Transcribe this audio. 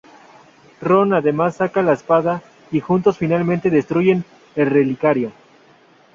Ron además saca la espada y juntos finalmente destruyen el relicario.